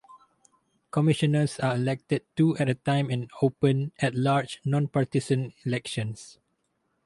Commissioners are elected two at a time in open, at-large, nonpartisan elections.